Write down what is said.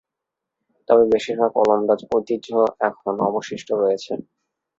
তবে বেশিরভাগ ওলন্দাজ ঐতিহ্য এখন অবশিষ্ট রয়েছে।